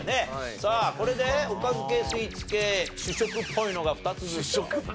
さあこれでおかず系スイーツ系主食っぽいのが２つずつと。